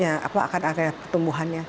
ya apa akan ada pertumbuhannya